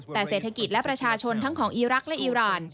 แต่เศรษฐกิจและประชาชนทั้งของอีรักษ์และอีราน